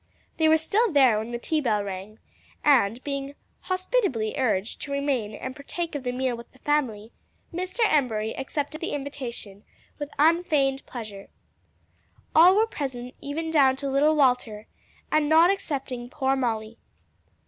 They were still there when the tea bell rang, and being hospitably urged to remain and partake of the meal with the family, Mr. Embury accepted the invitation with unfeigned pleasure. All were present even down to little Walter, and not excepting poor Molly.